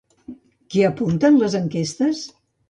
Què apunten les enquestes?